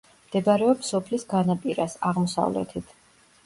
მდებარეობს სოფლის განაპირას, აღმოსავლეთით.